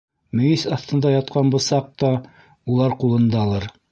Мейес аҫтында ятҡан бысаҡ та улар ҡулындалыр.